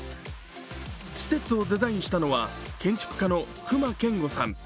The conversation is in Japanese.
施設をデザインしたのは建築家の隈研吾さん。